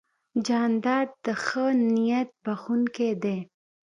جانداد د ښه نیت بښونکی دی.